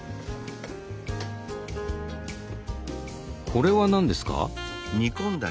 これは何ですか？